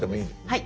はい。